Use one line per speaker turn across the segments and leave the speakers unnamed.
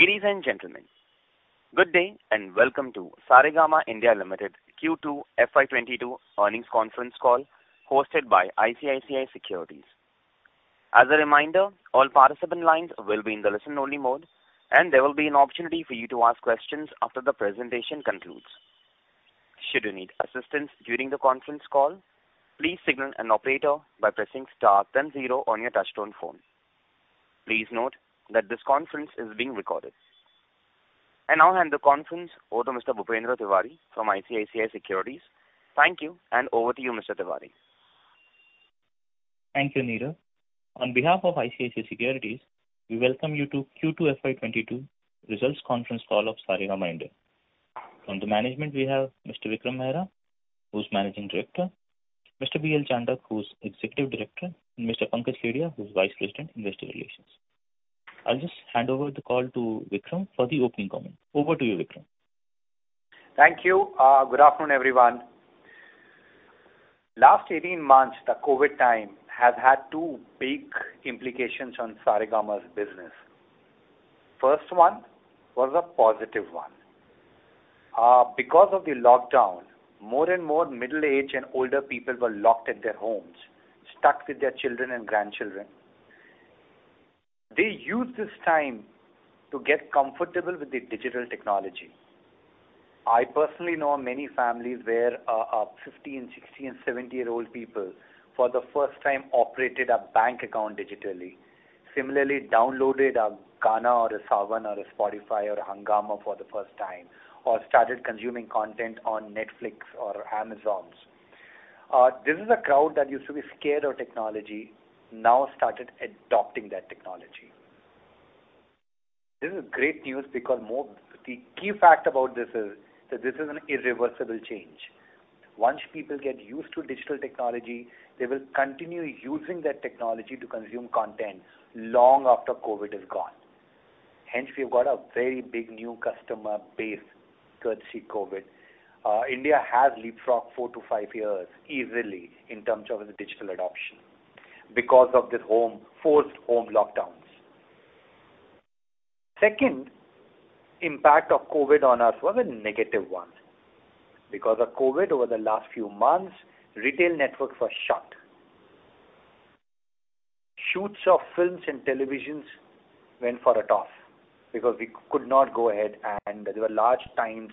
Ladies and gentlemen, good day and welcome to Saregama India Limited Q2 FY 2022 earnings conference call hosted by ICICI Securities. As a reminder all participants line will be on listen-only mode. There will be an opportunity for you to ask questions after the presentation concludes. Should you need assistance during the conference call please signal an operator by pressing star and zero on your touch-tone phone. Please note that this conference is being recorded. I now hand the conference over to Mr. Bhupendra Tiwary from ICICI Securities. Thank you, and over to you, Mr. Tiwary.
Thank you, Neera. On behalf of ICICI Securities, we welcome you to Q2 FY 2022 results conference call of Saregama India. From the management, we have Mr. Vikram Mehra, who's managing director, Mr. B.L. Chandak, who's executive director, and Mr. Pankaj Kedia, who's vice president, investor relations. I'll just hand over the call to Vikram for the opening comment. Over to you, Vikram.
Thank you. Good afternoon, everyone. Last 18 months, the COVID time has had two big implications on Saregama's business. First one was a positive one. Because of the lockdown, more and more middle-age and older people were locked in their homes, stuck with their children and grandchildren. They used this time to get comfortable with the digital technology. I personally know many families where 50 and 60 and 70-year-old people, for the first time, operated a bank account digitally. Similarly, downloaded a Gaana or JioSaavn or a Spotify or a Hungama for the first time, or started consuming content on Netflix or Amazon. This is a crowd that used to be scared of technology, now started adopting that technology. This is great news because the key fact about this is that this is an irreversible change. Once people get used to digital technology, they will continue using that technology to consume content long after COVID is gone. We've got a very big new customer base courtesy of COVID. India has leapfrogged four to five years easily in terms of its digital adoption because of this forced home lockdowns. Second impact of COVID on us was a negative one. Because of COVID over the last few months, retail networks were shut. Shoots of films and televisions went for a toss because we could not go ahead, and there were large times,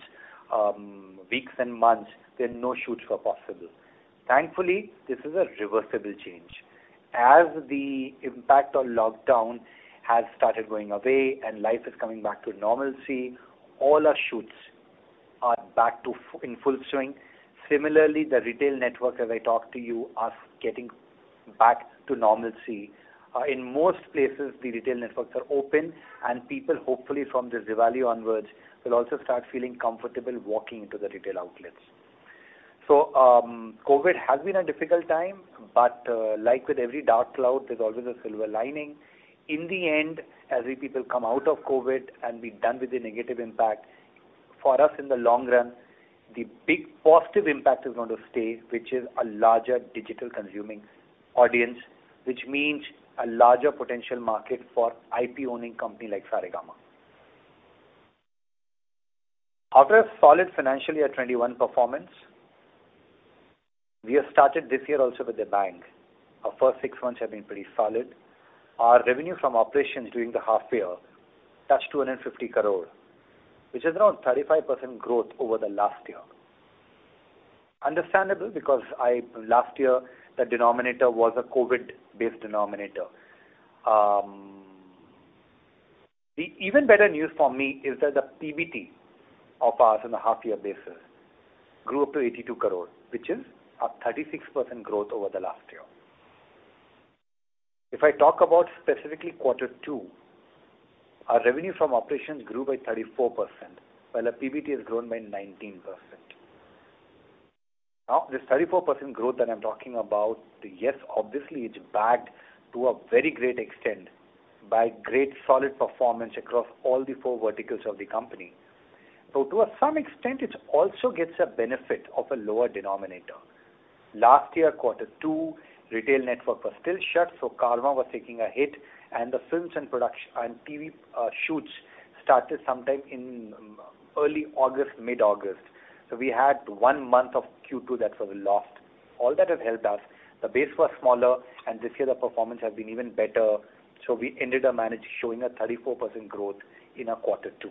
weeks and months, that no shoots were possible. Thankfully, this is a reversible change. The impact of lockdown has started going away and life is coming back to normalcy, all our shoots are back in full swing. The retail network, as I talk to you, are getting back to normalcy. In most places, the retail networks are open, and people, hopefully from this Diwali onwards, will also start feeling comfortable walking into the retail outlets. COVID has been a difficult time, but, like with every dark cloud, there's always a silver lining. In the end, as we people come out of COVID and we're done with the negative impact, for us in the long run, the big positive impact is going to stay, which is a larger digital consuming audience, which means a larger potential market for IP-owning company like Saregama. After a solid FY 2021 performance, we have started this year also with a bang. Our first six months have been pretty solid. Our revenue from operations during the half year touched 250 crore, which is around 35% growth over the last year. Understandable because last year, the denominator was a COVID-based denominator. The even better news for me is that the PBT of ours on a half-year basis grew up to 82 crore, which is a 36% growth over the last year. I talk about specifically quarter two, our revenue from operations grew by 34%, while our PBT has grown by 19%. This 34% growth that I'm talking about, yes, obviously, it's backed to a very great extent by great solid performance across all the four verticals of the company. To some extent, it also gets a benefit of a lower denominator. Last year, quarter two, retail network was still shut, Carvaan was taking a hit, the films and TV shoots started sometime in early August, mid-August. We had one month of Q2 that was lost. All that has helped us. The base was smaller, this year the performance has been even better. We ended up showing a 34% growth in our quarter two.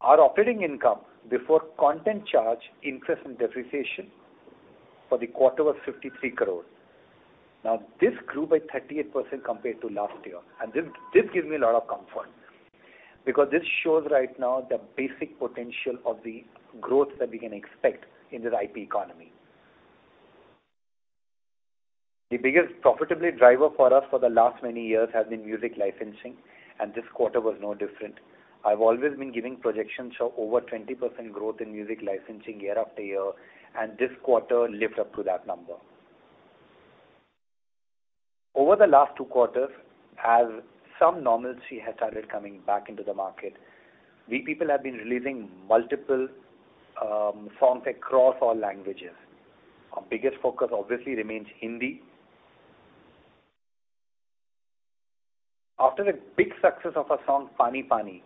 Our operating income before content charge, interest and depreciation for the quarter was 53 crore. This grew by 38% compared to last year, and this gives me a lot of comfort because this shows right now the basic potential of the growth that we can expect in this IP economy. The biggest profitability driver for us for the last many years has been music licensing, and this quarter was no different. I've always been giving projections of over 20% growth in music licensing year after year, and this quarter lived up to that number. Over the last two quarters, as some normalcy has started coming back into the market, we people have been releasing multiple songs across all languages. Our biggest focus obviously remains Hindi. After the big success of our song, "Paani Paani,"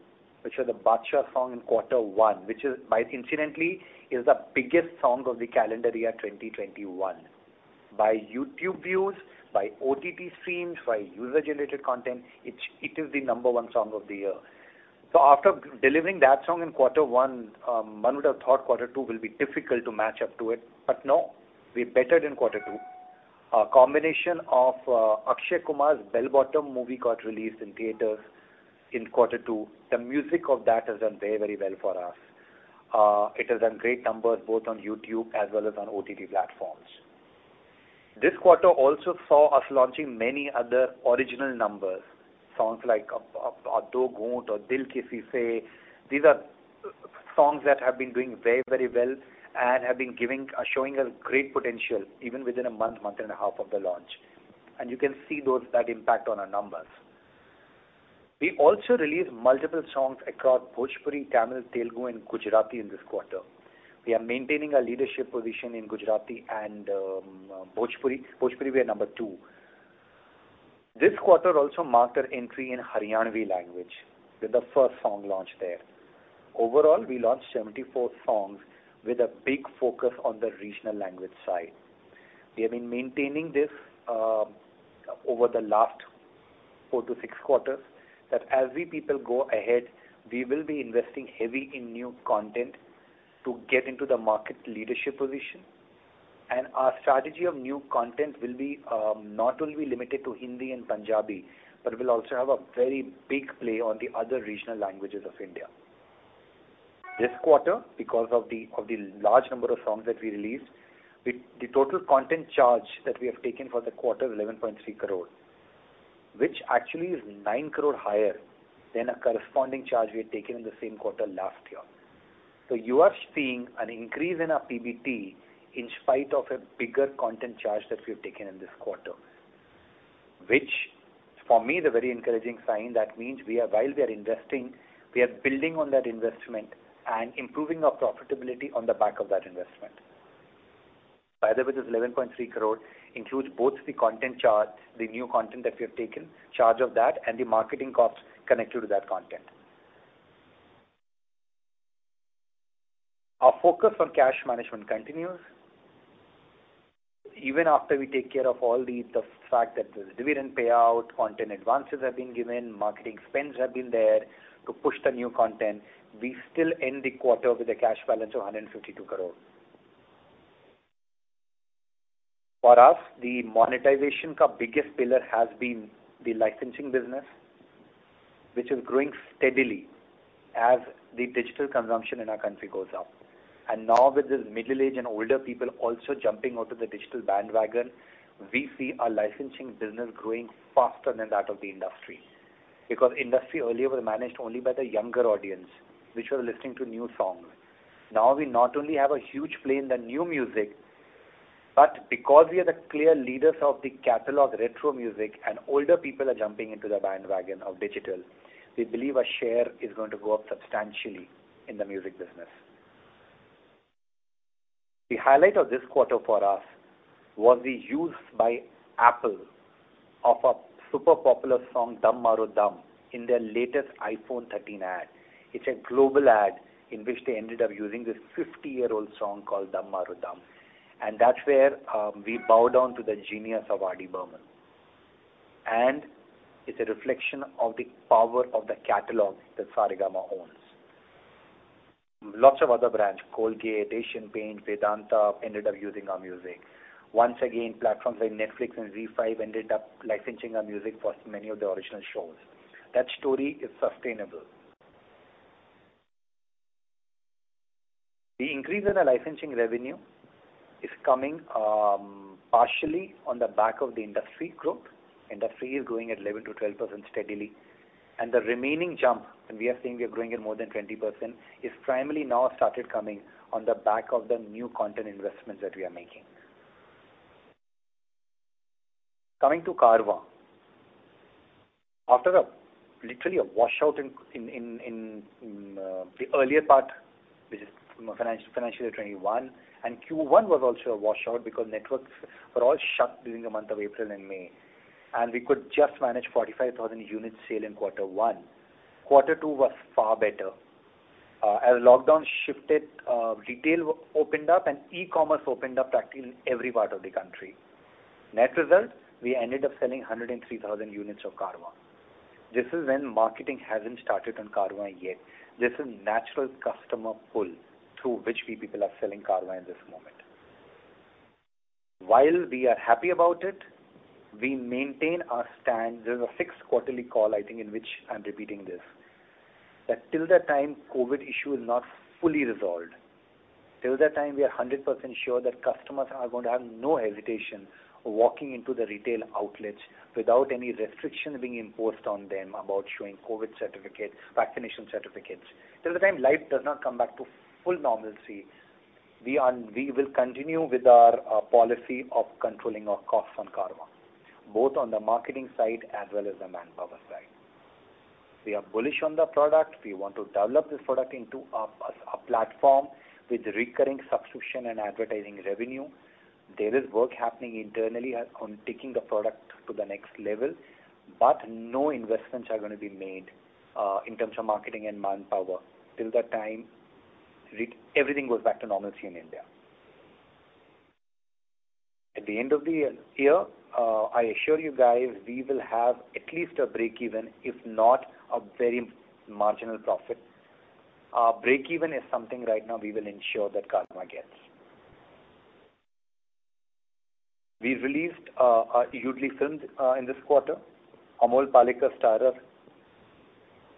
which was a Badshah song in quarter one, which incidentally is the biggest song of the calendar year 2021, by YouTube views, by OTT streams, by user-generated content, it is the number one song of the year. After delivering that song in quarter one, one would have thought quarter two will be difficult to match up to it. No, we bettered in quarter two. A combination of Akshay Kumar's "Bell Bottom" movie got released in theaters in quarter two. The music of that has done very well for us. It has done great numbers both on YouTube as well as on OTT platforms. This quarter also saw us launching many other original numbers. Songs like "Do Ghoont" or "Dil Kisi Se," these are songs that have been doing very well, and have been showing us great potential, even within a month and a half of the launch. You can see that impact on our numbers. We also released multiple songs across Bhojpuri, Tamil, Telugu, and Gujarati in this quarter. We are maintaining a leadership position in Gujarati and Bhojpuri. Bhojpuri, we are number two. This quarter also marked our entry in Haryanvi language, with the first song launch there. Overall, we launched 74 songs with a big focus on the regional language side. We have been maintaining this over the last four to six quarters, that as we people go ahead, we will be investing heavy in new content to get into the market leadership position. Our strategy of new content will be not only limited to Hindi and Punjabi, but will also have a very big play on the other regional languages of India. This quarter, because of the large number of songs that we released, the total content charge that we have taken for the quarter is 11.3 crore, which actually is 9 crore higher than a corresponding charge we had taken in the same quarter last year. You are seeing an increase in our PBT in spite of a bigger content charge that we've taken in this quarter, which for me is a very encouraging sign. That means while we are investing, we are building on that investment and improving our profitability on the back of that investment. By the way, this 11.3 crore includes both the content charge, the new content that we have taken, charge of that, and the marketing costs connected to that content. Our focus on cash management continues. Even after we take care of all the fact that the dividend payout, content advances have been given, marketing spends have been there to push the new content, we still end the quarter with a cash balance of 152 crore. For us, the monetization's biggest pillar has been the licensing business, which is growing steadily as the digital consumption in our country goes up. Now with these middle-age and older people also jumping onto the digital bandwagon, we see our licensing business growing faster than that of the industry. Because industry earlier was managed only by the younger audience, which was listening to new songs. We not only have a huge play in the new music, but because we are the clear leaders of the catalog retro music and older people are jumping into the bandwagon of digital, we believe our share is going to go up substantially in the music business. The highlight of this quarter for us was the use by Apple of a super popular song, "Dum Maro Dum," in their latest iPhone 13 ad. It's a global ad in which they ended up using this 50-year-old song called "Dum Maro Dum." That's where we bow down to the genius of R. D. Burman. It's a reflection of the power of the catalog that Saregama owns. Lots of other brands, Colgate, Asian Paints, Vedanta, ended up using our music. Once again, platforms like Netflix and ZEE5 ended up licensing our music for many of their original shows. That story is sustainable. The increase in the licensing revenue is coming partially on the back of the industry growth. Industry is growing at 11%-12% steadily. The remaining jump, and we are saying we are growing at more than 20%, is primarily now started coming on the back of the new content investments that we are making. Coming to Carvaan. After literally a washout in the earlier part, which is FY 2021. Q1 was also a washout because networks were all shut during the month of April and May, and we could just manage 45,000 units sale in Q1. Q2 was far better. As lockdown shifted, retail opened up and e-commerce opened up practically in every part of the country. Net result, we ended up selling 103,000 units of Carvaan. This is when marketing hasn't started on Carvaan yet. This is natural customer pull through which we people are selling Carvaan this moment. While we are happy about it, we maintain our stand, this is the sixth quarterly call, I think, in which I'm repeating this, that till the time COVID issue is not fully resolved, till the time we are 100% sure that customers are going to have no hesitation walking into the retail outlets without any restriction being imposed on them about showing COVID certificate, vaccination certificates, till the time life does not come back to full normalcy, we will continue with our policy of controlling our costs on Carvaan, both on the marketing side as well as the manpower side. We are bullish on the product. We want to develop this product into a platform with recurring subscription and advertising revenue. There is work happening internally on taking the product to the next level. No investments are going to be made in terms of marketing and manpower till the time everything goes back to normalcy in India. At the end of the year, I assure you guys, we will have at least a break-even, if not a very marginal profit. Break-even is something right now we will ensure that Carvaan gets. We released a hugely filmed in this quarter, Amol Palekar starrer,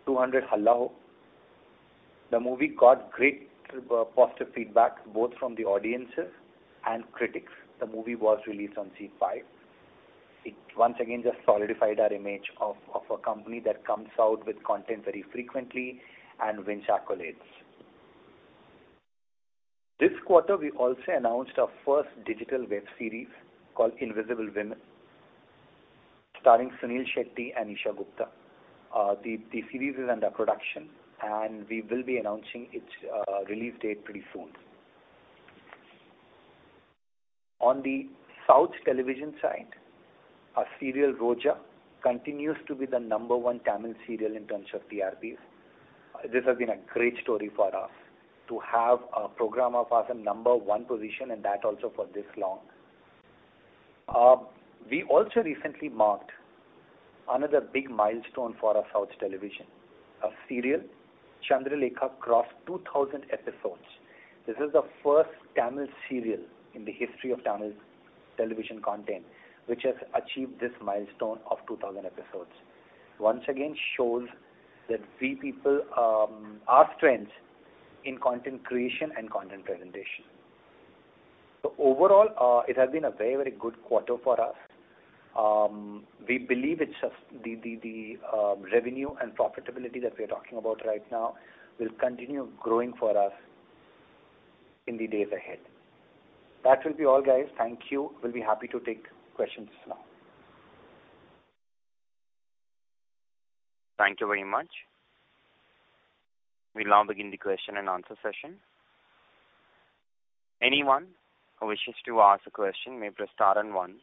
"200 Halla Ho." The movie got great positive feedback both from the audiences and critics. The movie was released on ZEE5. It once again just solidified our image of a company that comes out with content very frequently and wins accolades. This quarter, we also announced our first digital web series called "Invisible Woman," starring Suniel Shetty and Esha Gupta. The series is under production, and we will be announcing its release date pretty soon. On the South television side, our serial, "Roja," continues to be the number one Tamil serial in terms of TRPs. This has been a great story for us to have a program of ours in number one position and that also for this long. We also recently marked another big milestone for our South television. Our serial, "Chandralekha" crossed 2,000 episodes. This is the first Tamil serial in the history of Tamil television content which has achieved this milestone of 2,000 episodes. Once again, shows that we people are strength in content creation and content presentation. Overall, it has been a very, very good quarter for us. We believe the revenue and profitability that we're talking about right now will continue growing for us in the days ahead. That will be all, guys. Thank you. We'll be happy to take questions now.
Thank you very much. We now begin the question-and-answer session. Anyone who wishes to ask a question may press star and one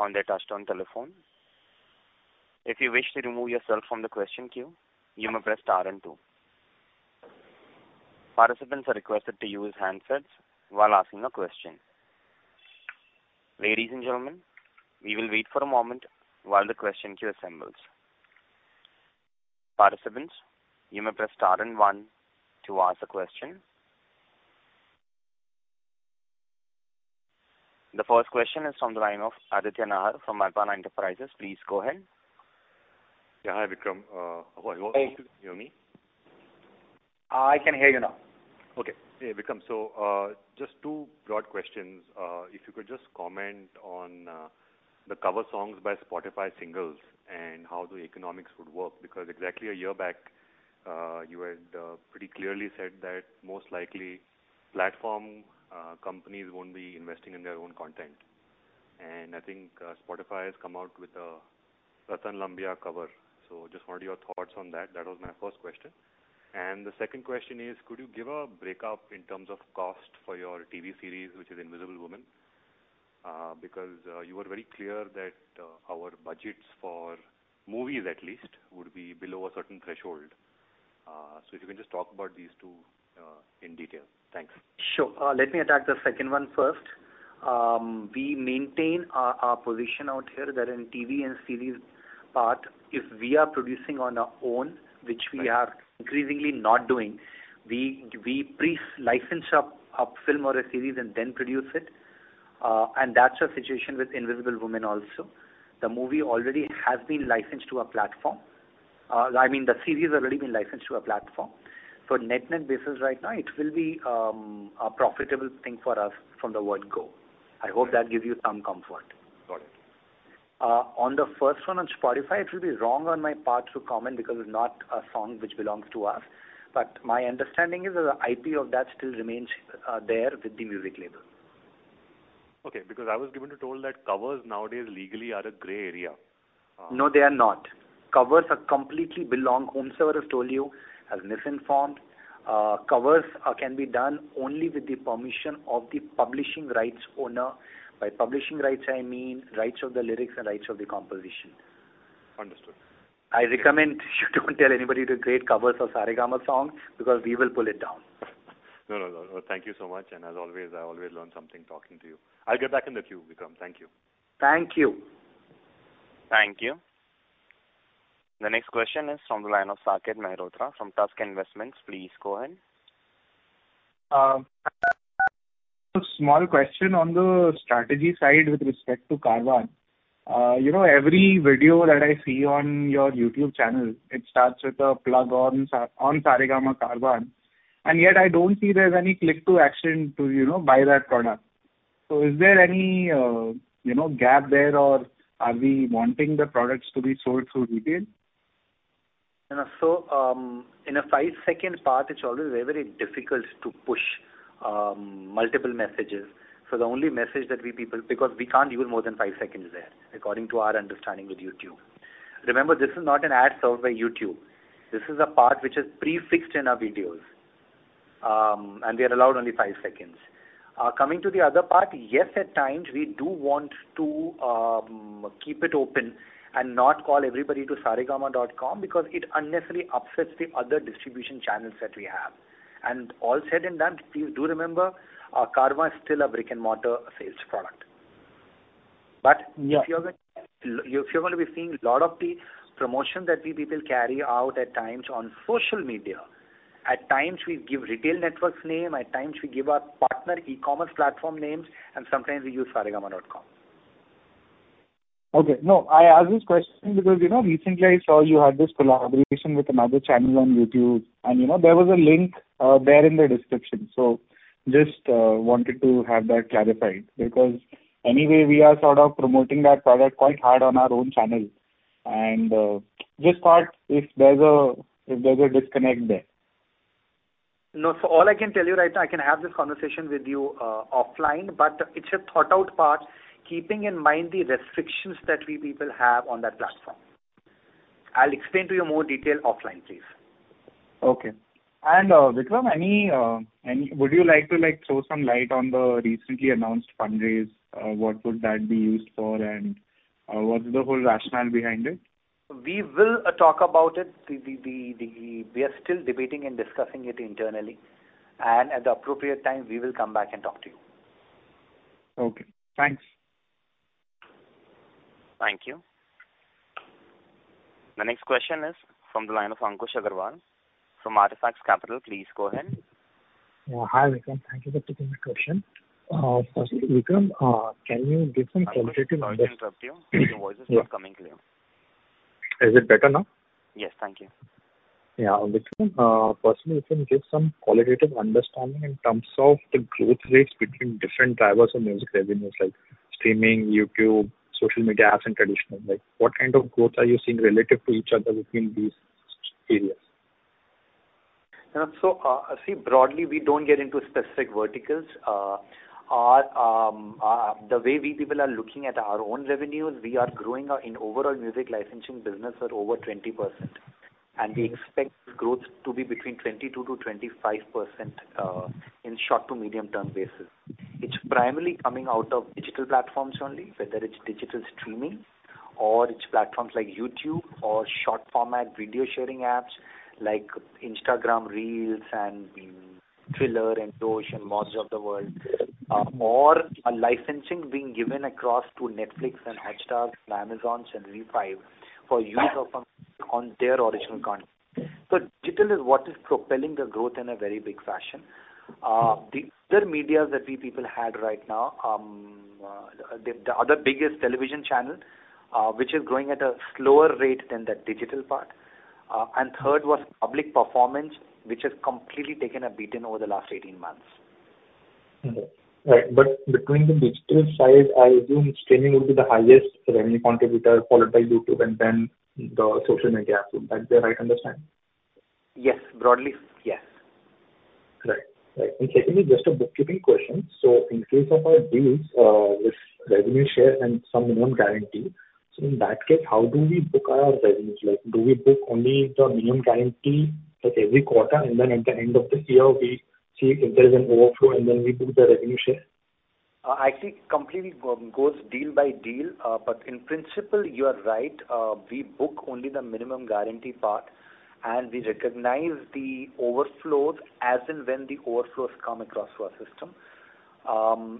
on their touchtone telephone. If you wish to remove yourself from the question queue, you may press star and two. Participants are requested to use handsets while asking a question. Ladies and gentlemen, we will wait for a moment while the question queue assembles. Participants, you may press star and one to ask a question. The first question is from the line of Aditya Nahar from Alpna Enterprises. Please go ahead.
Yeah. Hi, Vikram. Hope you can hear me?
I can hear you now.
Okay. Hey, Vikram. Just two broad questions. If you could just comment on the cover songs by Spotify Singles and how the economics would work, because exactly a year back, you had pretty clearly said that most likely platform companies won't be investing in their own content. I think Spotify has come out with a Raataan Lambiyan cover. Just wanted your thoughts on that. That was my first question. The second question is, could you give a breakup in terms of cost for your TV series, which is "Invisible Woman"? You were very clear that our budgets for movies at least would be below a certain threshold. If you can just talk about these two in detail. Thanks.
Sure. Let me attack the second one first. We maintain our position out here that in TV and series part, if we are producing on our own, which we are increasingly not doing, we pre-license a film or a series and then produce it. That's the situation with "Invisible Woman" also. The movie already has been licensed to a platform. I mean, the series has already been licensed to a platform. Net-net basis right now, it will be a profitable thing for us from the word go. I hope that gives you some comfort.
Got it.
On the first one on Spotify, it will be wrong on my part to comment because it's not a song which belongs to us, but my understanding is that the IP of that still remains there with the music label.
Okay, because I was given a tour that covers nowadays legally are a gray area.
No, they are not. Covers completely belong, whomever has told you, has misinformed. Covers can be done only with the permission of the publishing rights owner. By publishing rights, I mean rights of the lyrics and rights of the composition.
Understood.
I recommend you don't tell anybody to create covers of Saregama song because we will pull it down.
No, no. Thank you so much, and as always, I always learn something talking to you. I'll get back in the queue, Vikram. Thank you.
Thank you.
Thank you. The next question is from the line of Saket Mehrotra from Tusk Investments. Please go ahead.
A small question on the strategy side with respect to Carvaan. Every video that I see on your YouTube channel, it starts with a plug on Saregama Carvaan, and yet I don't see there's any click to action to buy that product. Is there any gap there, or are we wanting the products to be sold through retail?
In a five-second spot, it is always very difficult to push multiple messages. The only message that we people, because we cannot use more than five seconds there, according to our understanding with YouTube. Remember, this is not an ad served by YouTube. This is a part which is prefixed in our videos, and we are allowed only five seconds. Coming to the other part, yes, at times we do want to keep it open and not call everybody to saregama.com because it unnecessarily upsets the other distribution channels that we have. All said and done, please do remember, Carvaan is still a brick-and-mortar sales product.
Yeah
If you're going to be seeing a lot of the promotions that we people carry out at times on social media, at times we give retail networks name, at times we give our partner e-commerce platform names, and sometimes we use saregama.com.
Okay. No, I ask this question because recently I saw you had this collaboration with another channel on YouTube, and there was a link there in the description. Just wanted to have that clarified, because anyway, we are sort of promoting that product quite hard on our own channel, and just thought if there's a disconnect there.
No. All I can tell you right now, I can have this conversation with you offline, but it's a thought-out part, keeping in mind the restrictions that we people have on that platform. I will explain to you more detail offline, please.
Okay. Vikram, would you like to throw some light on the recently announced fundraise? What would that be used for, and what's the whole rationale behind it?
We will talk about it. We are still debating and discussing it internally, and at the appropriate time, we will come back and talk to you.
Okay. Thanks.
Thank you. The next question is from the line of Ankush Agrawal from Artefacts Capital. Please go ahead.
Hi, Vikram. Thank you for taking the question. Vikram, can you give some qualitative-
Ankush, sorry to interrupt you. Your voice is not coming clear.
Is it better now?
Yes. Thank you.
Yeah. Vikram, personally if you can give some qualitative understanding in terms of the growth rates between different drivers of music revenues like streaming, YouTube, social media apps, and traditional. What kind of growth are you seeing relative to each other between these areas?
Broadly, we don't get into specific verticals. The way we are looking at our own revenues, we are growing in overall music licensing business at over 20%, and we expect growth to be between 22%-25% in short to medium-term basis. It's primarily coming out of digital platforms only, whether it's digital streaming or it's platforms like YouTube or short format video sharing apps like Instagram Reels and Triller and Moj of the world, or a licensing being given across to Netflix and Hotstar, Amazon and Voot for use on their original content. Digital is what is propelling the growth in a very big fashion. The other media that we had right now, the other biggest television channel, which is growing at a slower rate than the digital part. Third was public performance, which has completely taken a beating over the last 18 months.
Okay. Right. Between the digital side, I assume streaming would be the highest revenue contributor, followed by YouTube and then the social media apps. Is that the right understanding?
Yes. Broadly, yes.
Right. Secondly, just a bookkeeping question. In case of our deals with revenue share and some minimum guarantee, in that case, how do we book our revenues? Do we book only the minimum guarantee every quarter and then at the end of the year, we see if there's an overflow and then we book the revenue share?
Actually, completely goes deal by deal, but in principle, you are right. We book only the minimum guarantee part, and we recognize the overflows as and when the overflows come across to our system.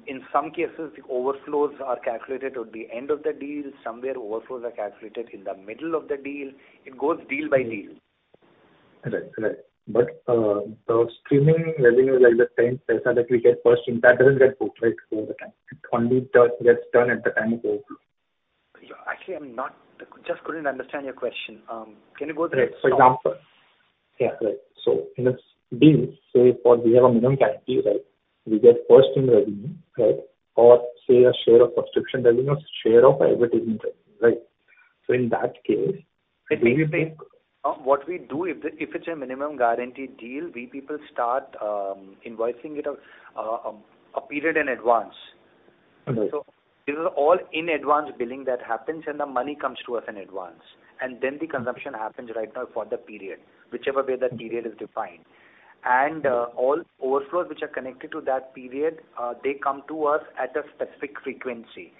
In some cases, the overflows are calculated at the end of the deal. Somewhere, overflows are calculated in the middle of the deal. It goes deal by deal.
Right. The streaming revenue, like the same that we get first, that doesn't get booked, right, over the time. It only gets done at the time of overflow.
Actually, I just couldn't understand your question. Can you go through it?
Right. For example. Yeah, right. In a deal, say, for we have a minimum guarantee. We get first in revenue. Say a share of subscription revenue, share of advertising revenue.
What we do, if it's a minimum guarantee deal, we people start invoicing it a period in advance.
Right.
These are all in advance billing that happens, and the money comes to us in advance. Then the consumption happens right now for the period, whichever way the period is defined. All overflows which are connected to that period, they come to us at a specific frequency,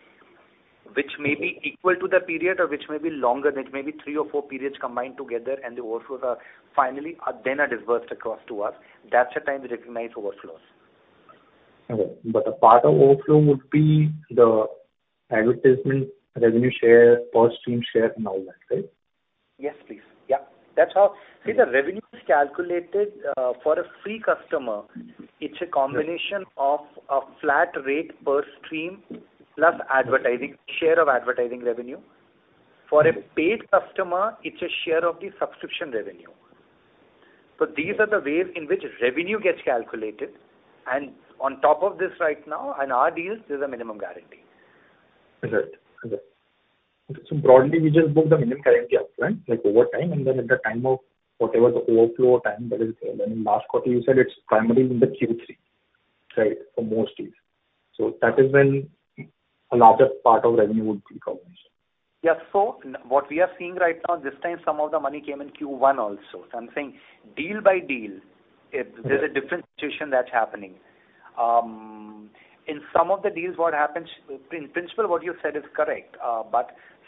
which may be equal to the period or which may be longer, it may be three or four periods combined together, and the overflows are finally, then are disbursed across to us. That's the time we recognize overflows.
Okay. A part of overflow would be the advertisement revenue share, per stream share and all that, right?
Yes, please. The revenue is calculated for a free customer. It's a combination of a flat rate per stream plus share of advertising revenue. For a paid customer, it's a share of the subscription revenue. These are the ways in which revenue gets calculated, and on top of this right now, in our deals, there's a minimum guarantee.
Exactly. Broadly, we just book the minimum current gap, right? Like over time, and then at the time of whatever the overflow time that is there. Last quarter, you said it's primarily in the Q3.
Right.
For most deals. That is when a larger part of revenue would be recognized.
Yeah. What we are seeing right now, this time some of the money came in Q1 also. I'm saying deal by deal, there's a different situation that's happening. In some of the deals, what happens, in principle what you said is correct.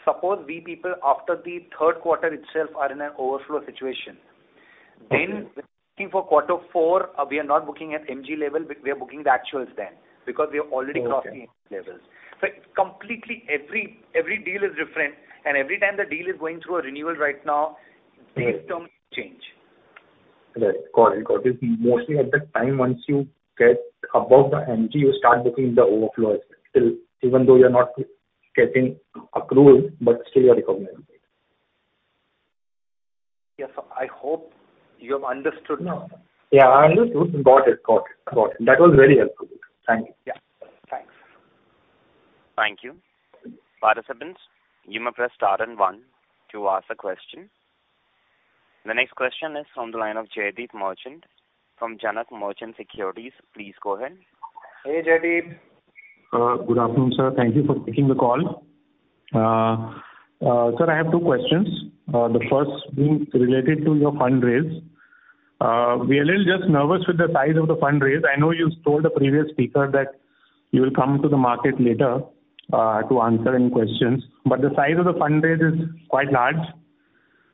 Suppose we people after the third quarter itself are in an overflow situation.
Okay.
For quarter four, we are not booking at MG level, we are booking the actuals then, because we have already crossed the MG levels.
Okay.
Completely, every deal is different, and every time the deal is going through a renewal right now.
Yes
the terms change.
Right. Got it. Mostly at that time, once you get above the MG, you start booking the overflow even though you're not getting accrual, but still you're recognizing it.
Yes, sir. I hope you have understood now.
Yeah, I understood. Got it. That was very helpful. Thank you.
Yeah. Thanks.
Thank you. Participants, you may press star and one to ask a question. The next question is on the line of Jaideep Merchant from Janak Merchant Securities. Please go ahead.
Hey, Jaideep.
Good afternoon, sir. Thank you for taking the call. Sir, I have two questions, the first being related to your fundraise. We are a little just nervous with the size of the fundraise. I know you told the previous speaker that you will come to the market later to answer any questions. The size of the fundraise is quite large.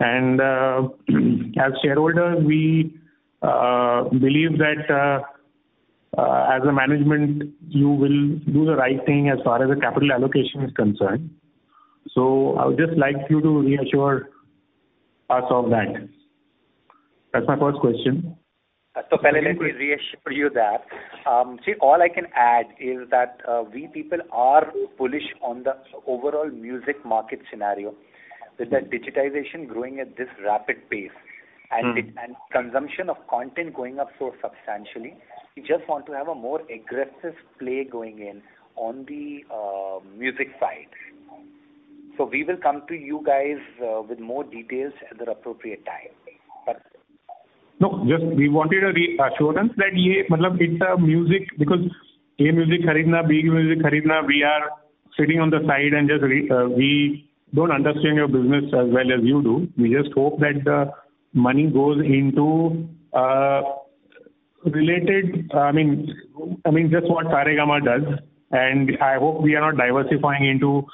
As shareholders, we believe that as a management, you will do the right thing as far as the capital allocation is concerned. I would just like you to reassure us of that. That's my first question.
Let me reassure you that. All I can add is that we people are bullish on the overall music market scenario. Is that digitization growing at this rapid pace. Consumption of content going up so substantially, we just want to have a more aggressive play going in on the music side. We will come to you guys with more details at the appropriate time.
No, just we wanted a reassurance that it's a music. A music, B music, we are sitting on the side and just we don't understand your business as well as you do. We just hope that the money goes into related, just what Saregama does. I hope we are not diversifying into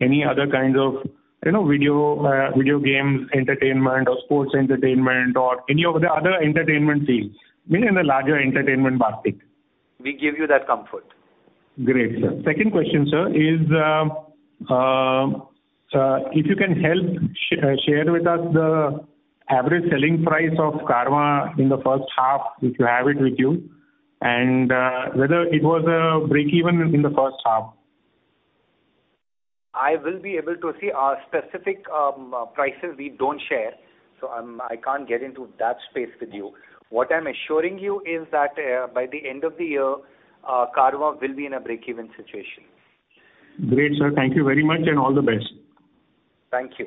any other kinds of video games entertainment or sports entertainment, or any of the other entertainment fields. Meaning the larger entertainment basket.
We give you that comfort.
Great, sir. Second question, sir, is, if you can help share with us the average selling price of Carvaan in the first half, if you have it with you, and whether it was breakeven in the first half?
I will be able to see. Our specific prices we don't share, so I can't get into that space with you. What I'm assuring you is that by the end of the year, Carvaan will be in a breakeven situation.
Great, sir. Thank you very much, and all the best.
Thank you.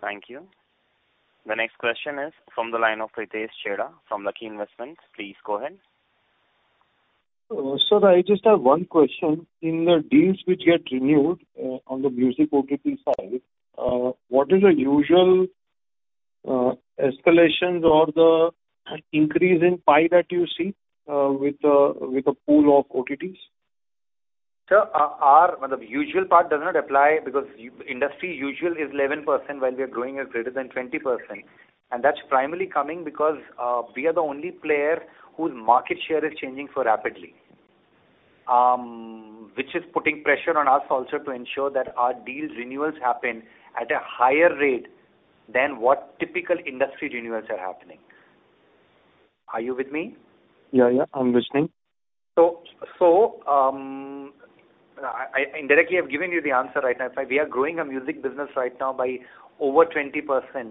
Thank you. The next question is from the line of Pritesh Chheda from Lucky Investments. Please go ahead.
Sir, I just have one question. In the deals which get renewed on the music OTT side, what is the usual escalations or the increase in pie that you see with a pool of OTTs?
Sir, our usual part does not apply because industry usual is 11% while we are growing at greater than 20%. That's primarily coming because we are the only player whose market share is changing so rapidly, which is putting pressure on us also to ensure that our deals renewals happen at a higher rate than what typical industry renewals are happening. Are you with me?
Yeah. I'm listening.
Indirectly, I've given you the answer right now. We are growing our music business right now by over 20%,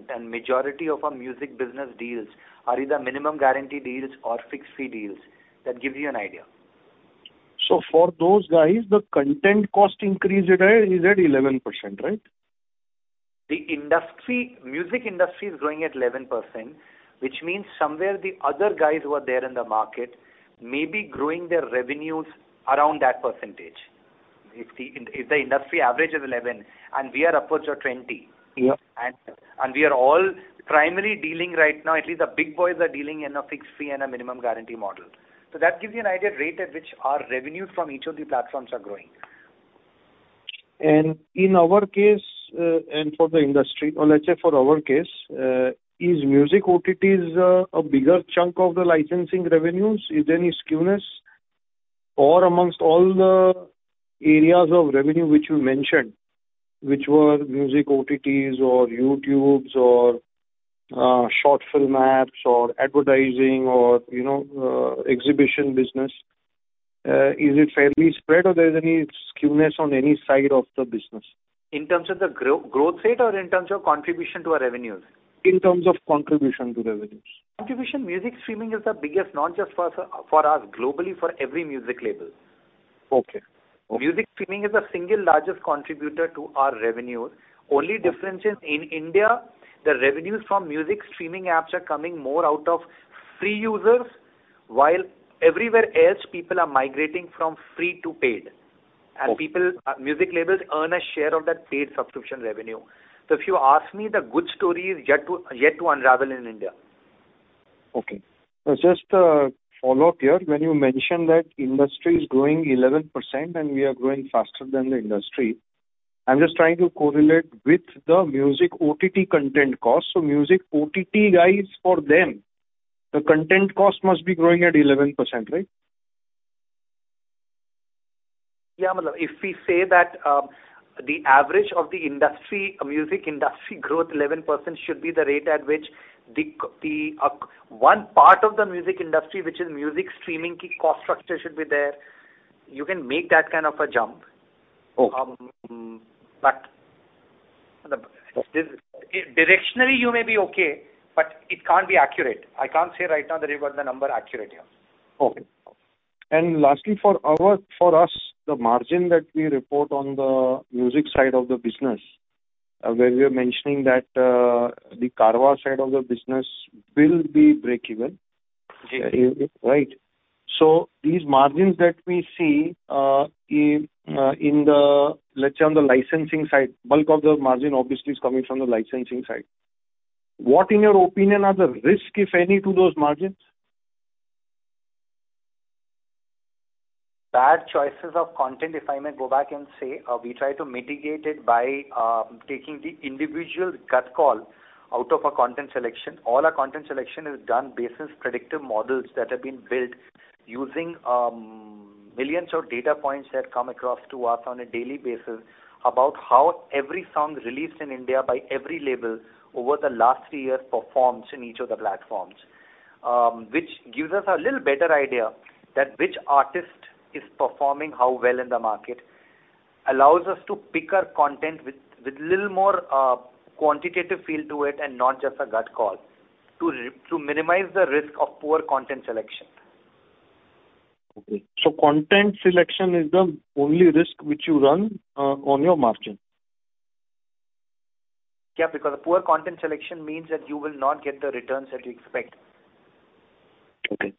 and majority of our music business deals are either minimum guarantee deals or fixed-fee deals. That gives you an idea.
For those guys, the content cost increase is at 11%, right?
The music industry is growing at 11%, which means somewhere the other guys who are there in the market may be growing their revenues around that percentage. If the industry average is 11% and we are upwards of 20%.
Yeah
We are all primarily dealing right now, at least the big boys are dealing in a fixed fee and a minimum guarantee model. That gives you an idea of rate at which our revenues from each of the platforms are growing.
In our case, and for the industry, or let's say for our case, is music OTTs a bigger chunk of the licensing revenues? Is there any skewness? Amongst all the areas of revenue which you mentioned, which were music OTTs or YouTubes or short film apps or advertising or exhibition business, is it fairly spread or there's any skewness on any side of the business?
In terms of the growth rate or in terms of contribution to our revenues?
In terms of contribution to revenues.
Contribution, music streaming is the biggest, not just for us, globally, for every music label.
Okay.
Music streaming is the single largest contributor to our revenues. Only difference is, in India, the revenues from music streaming apps are coming more out of free users, while everywhere else, people are migrating from free to paid.
Okay.
Music labels earn a share of that paid subscription revenue. If you ask me, the good story is yet to unravel in India.
Okay. Just a follow-up here. When you mentioned that industry is growing 11% and we are growing faster than the industry, I am just trying to correlate with the music OTT content cost. Music OTT guys, for them, the content cost must be growing at 11%, right?
Yeah. If we say that the average of the music industry growth, 11%, should be the rate at which one part of the music industry, which is music streaming cost structure should be there, you can make that kind of a jump.
Okay.
Directionally, you may be okay, but it can't be accurate. I can't say right now that you've got the number accurate here.
Okay. Lastly, for us, the margin that we report on the music side of the business, where we are mentioning that the Carvaan side of the business will be break even.
Yeah.
Right. These margins that we see, let's say on the licensing side, bulk of the margin obviously is coming from the licensing side. What, in your opinion, are the risks, if any, to those margins?
Bad choices of content, if I may go back and say. We try to mitigate it by taking the individual gut call out of a content selection. All our content selection is done based on predictive models that have been built using millions of data points that come across to us on a daily basis about how every song released in India by every label over the last three years performs in each of the platforms, which gives us a little better idea that which artist is performing how well in the market, allows us to pick our content with little more quantitative feel to it and not just a gut call, to minimize the risk of poor content selection.
Okay. Content selection is the only risk which you run on your margin.
Yeah, because poor content selection means that you will not get the returns that you expect.
Okay.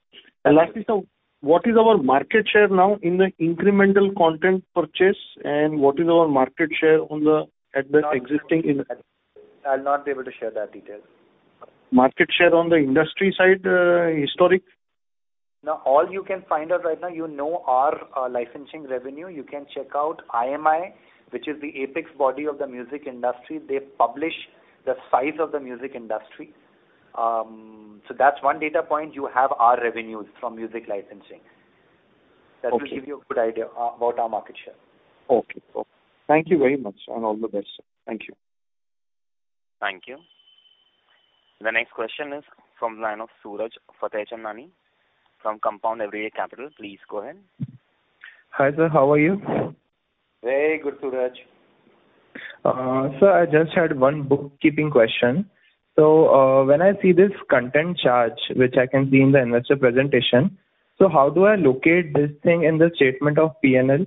Lastly, sir, what is our market share now in the incremental content purchase and what is our market share at the existing.
I'll not be able to share that detail.
Market share on the industry side, historic?
No. All you can find out right now, you know our licensing revenue. You can check out IMI, which is the apex body of the music industry. They publish the size of the music industry. That's one data point. You have our revenues from music licensing.
Okay.
That will give you a good idea about our market share.
Okay. Thank you very much, and all the best, sir. Thank you.
Thank you. The next question is from the line of Suraj Fatehchandani from Compound Everyday Capital. Please go ahead.
Hi, sir. How are you?
Very good, Suraj.
Sir, I just had one bookkeeping question. When I see this content charge, which I can see in the investor presentation, how do I locate this thing in the statement of P&L?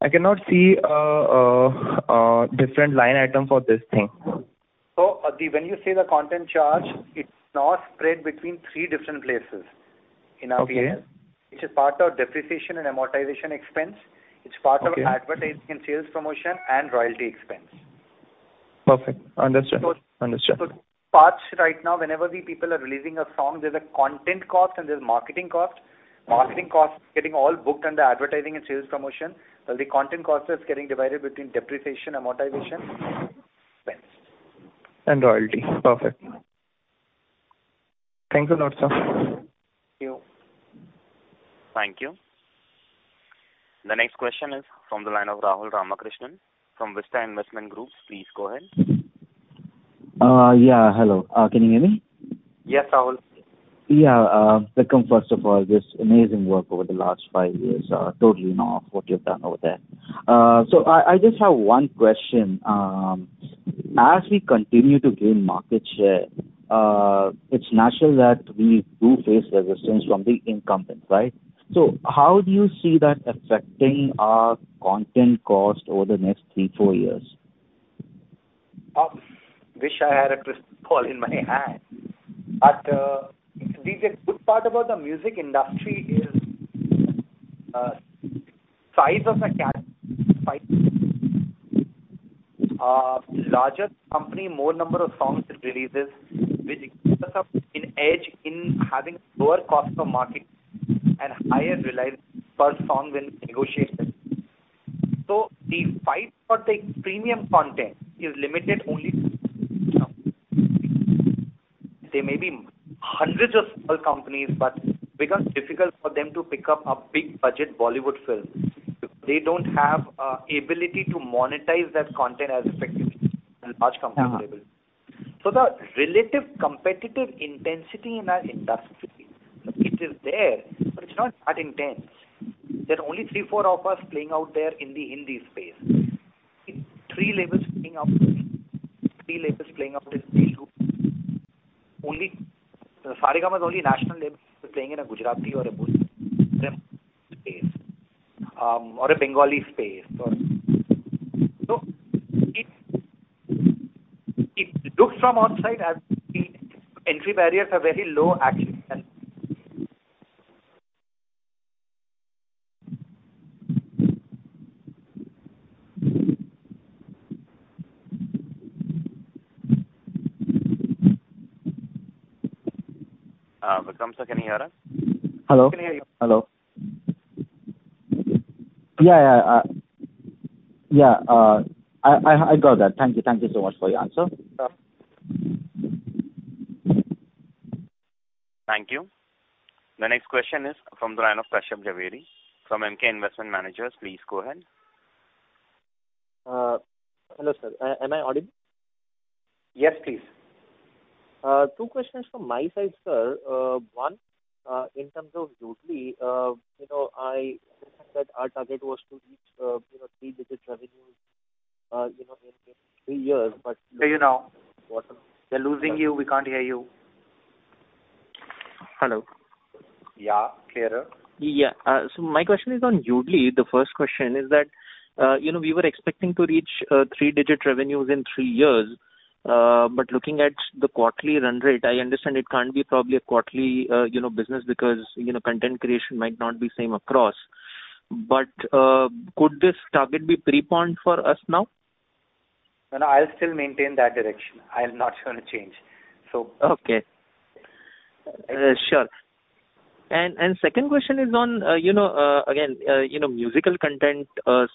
I cannot see a different line item for this thing.
When you say the content charge, it's now spread between three different places in our P&L.
Okay.
Which is part of depreciation and amortization expense.
Okay
advertising and sales promotion and royalty expense.
Perfect. Understood.
Right now, whenever the people are releasing a song, there's a content cost and there's marketing cost. Marketing cost is getting all booked under advertising and sales promotion. The content cost is getting divided between depreciation, amortization expense.
Royalty. Perfect. Thank you a lot, sir.
Thank you.
Thank you. The next question is from the line of Rahul Ramakrishnan from Vista Investment Groups. Please go ahead.
Yeah, hello. Can you hear me?
Yes, Rahul.
Yeah. Vikram, first of all, just amazing work over the last five years. Totally in awe of what you've done over there. I just have one question. As we continue to gain market share, it's natural that we do face resistance from the incumbents, right? How do you see that affecting our content cost over the next three, four years?
Wish I had a crystal ball in my hand. The good part about the music industry is, size of the larger company, more number of songs it releases, which gives us an edge in having lower cost of marketing and higher reliance per song when negotiating. The fight for the premium content is limited only to. There may be hundreds of small companies, but becomes difficult for them to pick up a big budget Bollywood film. They don't have ability to monetize that content as effectively as large companies label. The relative competitive intensity in our industry, it is there, but it's not that intense. There are only three, four of us playing out there in the Hindi space. Three labels playing out in Only. Saregama is only national label playing in a Gujarati or a Bhojpuri space or a Bengali space. It looks from outside as the entry barriers are very low, actually.
Vikram sir, can you hear us?
Hello?
Can you hear me?
Hello.
Yeah. I got that. Thank you so much for your answer.
Sure.
Thank you. The next question is from the line of Kashyap Javeri from Emkay Investment Managers. Please go ahead.
Hello, sir. Am I audible?
Yes, please.
Two questions from my side, sir. One, in terms of Yoodlee, I understand that our target was to reach three-digit revenues in three years.
Can you now? We're losing you. We can't hear you.
Hello.
Yeah. Clearer.
Yeah. My question is on Yoodlee. The first question is that, we were expecting to reach three-digit revenues in three years, but looking at the quarterly run rate, I understand it can't be probably a quarterly business because content creation might not be same across. Could this target be preponed for us now?
I'll still maintain that direction. I'm not going to change.
Okay. Sure. Second question is on, again musical content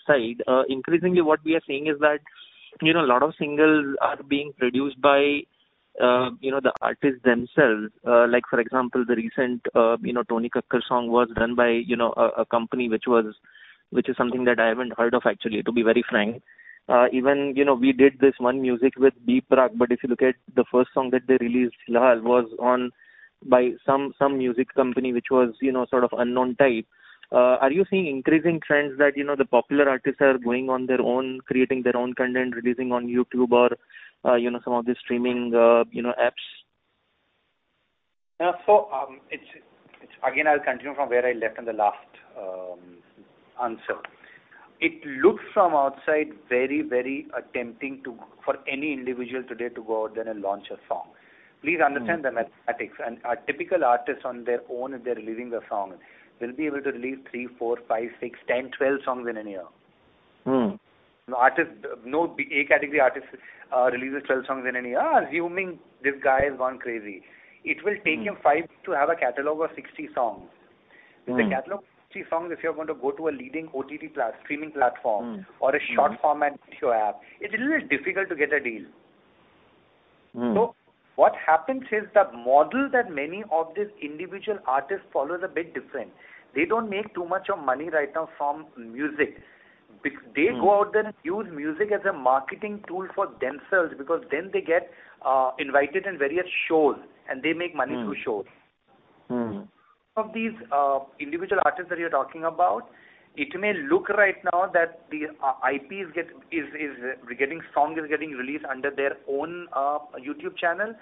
side. Increasingly what we are seeing is that, a lot of singles are being produced by the artists themselves. Like for example, the recent Tony Kakkar song was done by a company, which is something that I haven't heard of actually, to be very frank. Even we did this one music with B Praak, if you look at the first song that they released, "Filhall" was by some music company, which was sort of unknown type. Are you seeing increasing trends that, the popular artists are going on their own, creating their own content, releasing on YouTube or some of the streaming apps?
Again, I'll continue from where I left in the last answer. It looks from outside very tempting for any individual today to go out there and launch a song. Please understand the mathematics. A typical artist on their own, if they're releasing a song, will be able to release 3, 4, 5, 6, 10, 12 songs in a year. No A category artist releases 12 songs in an year. Assuming this guy has gone crazy, it will take him five years to have a catalog of 60 songs. With a catalog of 60 songs, if you're going to go to a leading OTT streaming platform. or a short format show app, it's a little difficult to get a deal. What happens is the model that many of these individual artists follow is a bit different. They don't make too much of money right now from music. They go out there and use music as a marketing tool for themselves because then they get invited in various shows and they make money through shows. Some of these individual artists that you're talking about, it may look right now that the song is getting released under their own YouTube channel.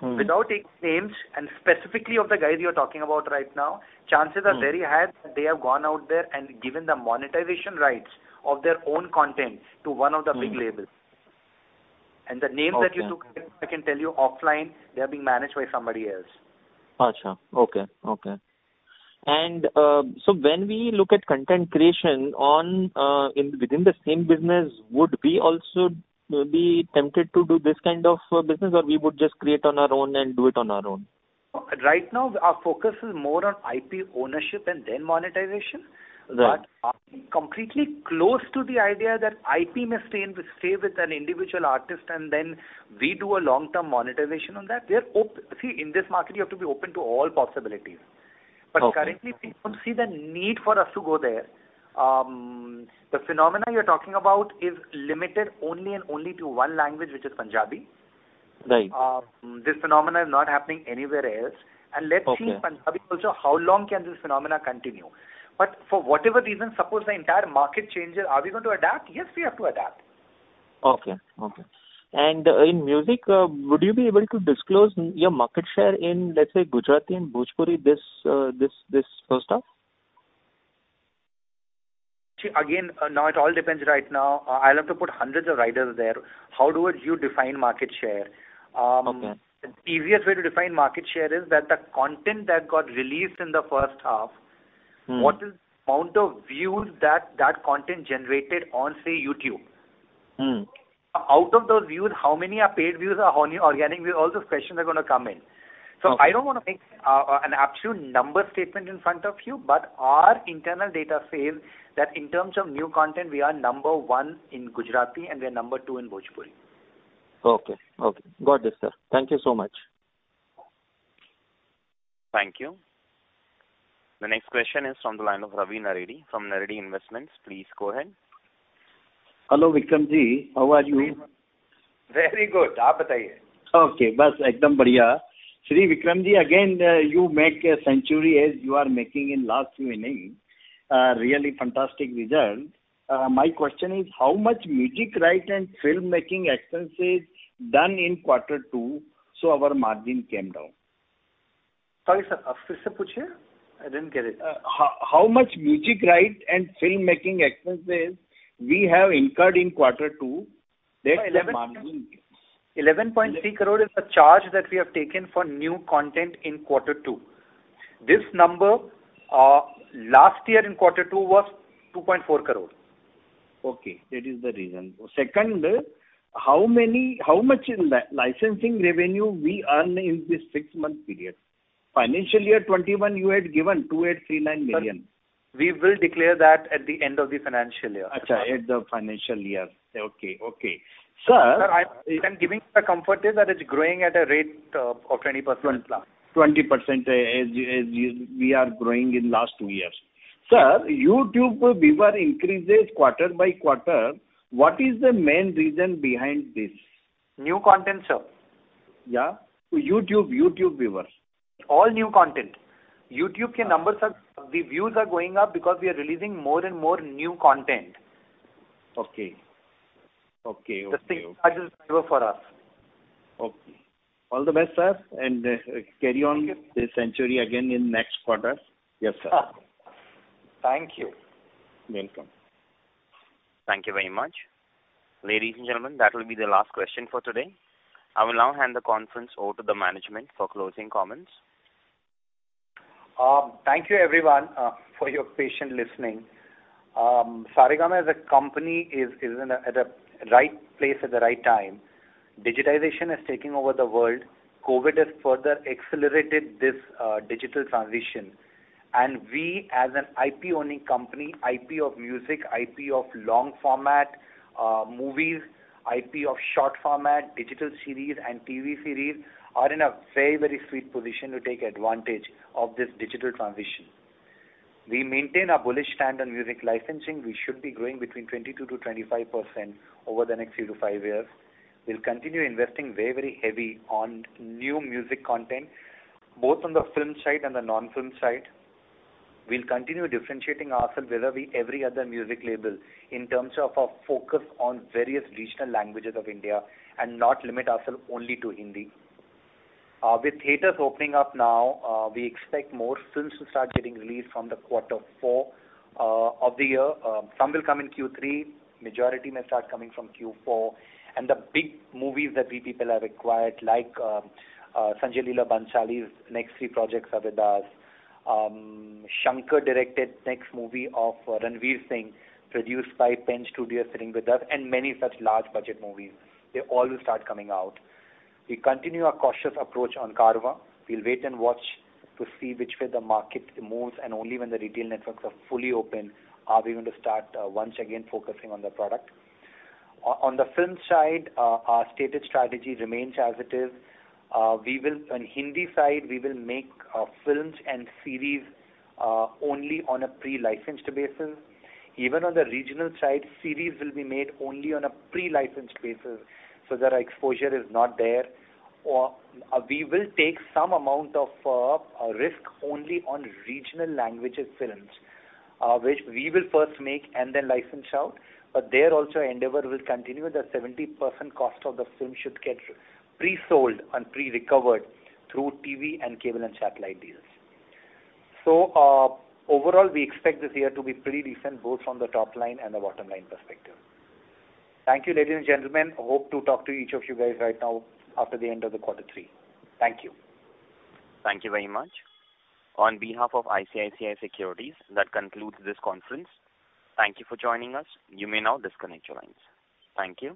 Without taking names, specifically of the guys you're talking about right now, chances are very high that they have gone out there and given the monetization rights of their own content to one of the big labels. The names that you look at, I can tell you offline, they are being managed by somebody else.
Okay. When we look at content creation within the same business, would we also be tempted to do this kind of business, or we would just create on our own and do it on our own?
Right now, our focus is more on IP ownership and then monetization.
Right.
Are we completely closed to the idea that IP must stay with an individual artist, and then we do a long-term monetization on that? See, in this market, you have to be open to all possibilities.
Okay.
Currently, we don't see the need for us to go there. The phenomena you're talking about is limited only and only to one language, which is Punjabi.
Right.
This phenomena is not happening anywhere else.
Okay.
Let's see in Punjabi also, how long can this phenomena continue? For whatever reason, suppose the entire market changes, are we going to adapt? Yes, we have to adapt.
Okay. In music, would you be able to disclose your market share in, let's say, Gujarati and Bhojpuri this first half?
See, again, now it all depends right now. I'll have to put hundreds of riders there. How would you define market share?
Okay.
The easiest way to define market share is that the content that got released in the first half. what is the amount of views that that content generated on, say, YouTube? Out of those views, how many are paid views or how many organic views? All those questions are going to come in.
Okay.
I don't want to make an absolute number statement in front of you, but our internal data says that in terms of new content, we are number one in Gujarati, and we are number two in Bhojpuri.
Okay. Got it, sir. Thank you so much.
Thank you. The next question is from the line of Ravi Naredi from Naredi Investments. Please go ahead.
Hello, Vikram Ji. How are you doing?
Very good.
Okay. Sri Vikram Ji, again, you make a century as you are making in last few innings. Really fantastic results. My question is, how much music right and filmmaking expenses done in quarter two, our margin came down?
Sorry, sir. Repeat the question, I didn't get it.
How much music right and filmmaking expenses we have incurred in quarter two?
11.3 crore is the charge that we have taken for new content in quarter two. This number last year in quarter two was 2.4 crore.
Okay. That is the reason. Second, how much is the licensing revenue we earn in this six-month period? Financial year 2021, you had given 2,839 million.
We will declare that at the end of the financial year.
At the end of financial year. Okay.
Sir, I'm giving the comfort is that it's growing at a rate of 20%+.
20% as we are growing in last two years. Sir, YouTube viewer increases quarter by quarter. What is the main reason behind this?
New content, sir.
Yeah. YouTube viewers.
All new content. The views are going up because we are releasing more and more new content.
Okay.
The same driver for us.
Okay. All the best, sir, and carry on this century again in next quarter.
Yes, sir. Thank you.
Welcome.
Thank you very much. Ladies and gentlemen, that will be the last question for today. I will now hand the conference over to the management for closing comments.
Thank you, everyone, for your patient listening. Saregama as a company is at a right place at the right time. Digitization is taking over the world. COVID has further accelerated this digital transition. We, as an IP-owning company, IP of music, IP of long format movies, IP of short format digital series and TV series, are in a very sweet position to take advantage of this digital transition. We maintain a bullish stand on music licensing. We should be growing between 22%-25% over the next three to five years. We'll continue investing very heavy on new music content, both on the film side and the non-film side. We'll continue differentiating ourselves vis-a-vis every other music label in terms of our focus on various regional languages of India and not limit ourselves only to Hindi. With theaters opening up now, we expect more films to start getting released from the quarter four of the year. Some will come in Q3, majority may start coming from Q4. The big movies that we people have acquired, like Sanjay Leela Bhansali's next three projects are with us. Shankar-directed next movie of Ranveer Singh, produced by Pen Studios, sitting with us, and many such large budget movies. They all will start coming out. We continue our cautious approach on Carvaan. We'll wait and watch to see which way the market moves, and only when the retail networks are fully open are we going to start once again focusing on the product. On the film side, our stated strategy remains as it is. On Hindi side, we will make films and series only on a pre-licensed basis. Even on the regional side, series will be made only on a pre-licensed basis, so that our exposure is not there. We will take some amount of risk only on regional languages films, which we will first make and then license out. There also, our endeavor will continue that 70% cost of the film should get pre-sold and pre-recovered through TV and cable and satellite deals. Overall, we expect this year to be pretty decent, both from the top line and the bottom line perspective. Thank you, ladies and gentlemen. Hope to talk to each of you guys right now after the end of the quarter three. Thank you.
Thank you very much. On behalf of ICICI Securities, that concludes this conference. Thank you for joining us. You may now disconnect your lines. Thank you.